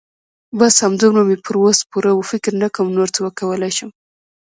بس همدومره مې پر وس پوره وه. فکر نه کوم نور څه وکولای شم.